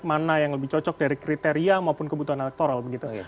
mana yang lebih cocok dari kriteria maupun kebutuhan elektoral begitu